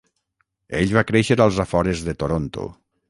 Ell va créixer als afores de Toronto.